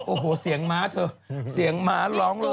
โอ้โหเสียงหมาเถอะเสียงหมาร้องลำ